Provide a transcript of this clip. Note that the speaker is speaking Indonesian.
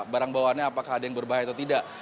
barang bawahnya apakah ada yang berbahaya